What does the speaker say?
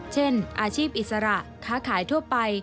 เช่นอาชีพอิสระค้าขายทั่วไป